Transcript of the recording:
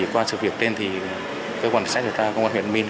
qua sự việc tên thì cơ quan cảnh sát điều tra công an huyện đắk minh